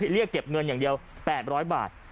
เรียกเก็บเงินอย่างเดียว๘๐๐บาท